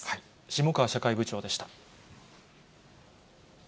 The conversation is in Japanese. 下川社会部長でした。